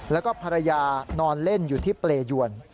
แล้วก็ภรรยานอนเล่นอยู่ที่เปรยวน